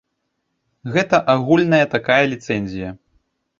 Гэта агульная такая ліцэнзія.